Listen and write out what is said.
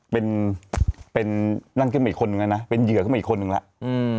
เป็นเป็นนั่งขึ้นมาอีกคนนึงแล้วนะเป็นเหยื่อขึ้นมาอีกคนนึงแล้วอืม